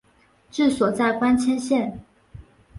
治所在光迁县。